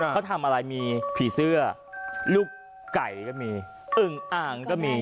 เขาทำอะไรมีผีเสื้อลูกไก่ก็มีอึ่งอ่างก็มี